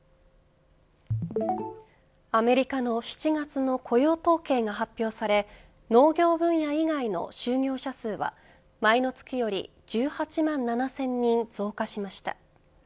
アメリカの７月の雇用統計が発表され農業分野以外の就業者数は前の月より１８万７０００人増加しました。